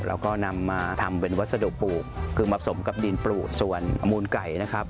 เราก็นำมาทำเป็นวัสดุปลูกคือมาสมกับดินปลูกส่วนอมูลไก่นะครับ